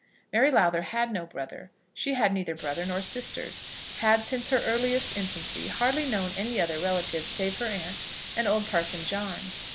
Mary Lowther had no brother. She had neither brother nor sister; had since her earliest infancy hardly known any other relative save her aunt and old Parson John.